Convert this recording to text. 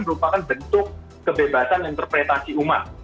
merupakan bentuk kebebasan interpretasi umat